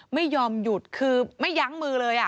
ไม่ยอมหยุดคือไม่ยั้งมือเลย